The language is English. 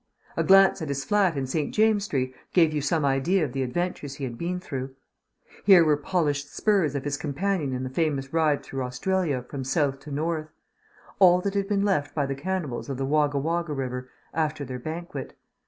A glance at his flat in St. James's Street gave you some idea of the adventures he had been through. Here were the polished spurs of his companion in the famous ride through Australia from south to north all that had been left by the cannibals of the Wogga Wogga River after their banquet.